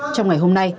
trong ngày hôm nay